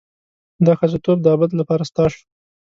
دا ښځتوب د ابد لپاره ستا شو.